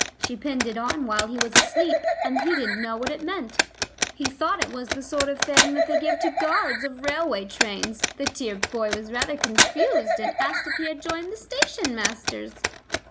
She pinned it on while he was asleep, and he didn't know what it meant. He thought it was the sort of thing that they give to guards of railway trains. The dear boy was rather confused, and asked if he had joined the station masters."